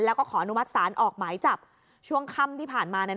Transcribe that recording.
แล้วก็ขออนุมัติศาลออกหมายจับช่วงค่ำที่ผ่านมา